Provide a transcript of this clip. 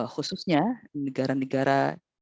khususnya negara negara yang berpengaruh